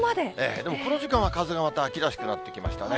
でもこの時間は風がまた、秋らしくなってきましたね。